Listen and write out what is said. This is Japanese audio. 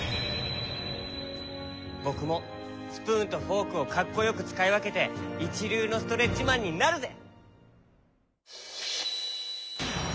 ぼくもスプーンとフォークをかっこよくつかいわけていちりゅうのストレッチマンになるぜ！